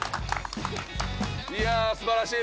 いや素晴らしい。